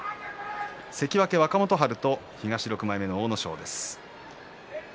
関脇若元春と東６枚目の阿武咲です。